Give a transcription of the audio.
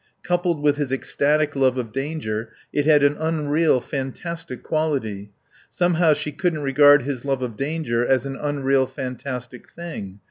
Coupled with his ecstatic love of danger it had an unreal, fantastic quality. Somehow she couldn't regard his love of danger as an unreal, fantastic thing.